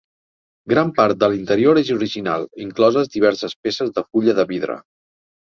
Gran part de l'interior és original, incloses diverses peces de fulla de vidre.